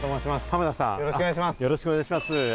濱田さん、よろしくお願いします。